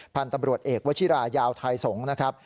พันธุ์ตำรวจเอกวชิรายาวไทยสงศ์นะครับ